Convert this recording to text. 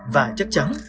và chắc chắn